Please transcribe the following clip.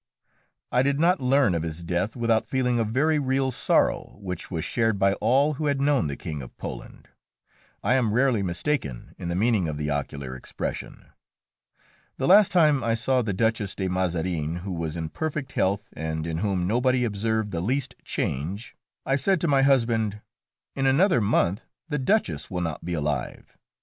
I did not learn of his death without feeling a very real sorrow, which was shared by all who had known the King of Poland. I am rarely mistaken in the meaning of the ocular expression. The last time I saw the Duchess de Mazarin, who was in perfect health, and in whom nobody observed the least change, I said to my husband, "In another month the Duchess will not be alive."